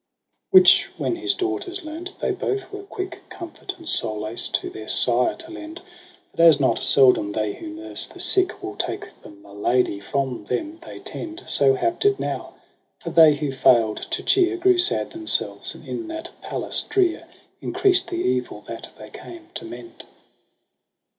a Which when his daughters learnt, they both were quick Comfort and solace to their sire to lend. But as not seldom they who nurse the sick Will take the malady from them they tend. So happ'd it now j for they who fail'd to cheer Grew sad themselves, and in that palace drear Increased the evil that they came to mend.